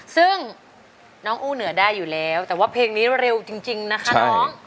ซึ่งน้องอู้เหนือได้อยู่แล้วแต่ว่าเพลงนี้เร็วจริงนะคะน้อง